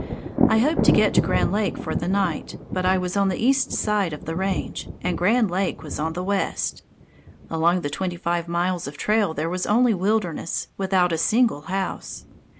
I hoped to get to Grand Lake for the night, but I was on the east side of the range, and Grand Lake was on the west. Along the twenty five miles of trail there was only wilderness, without a single house.